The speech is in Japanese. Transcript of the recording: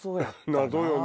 謎よね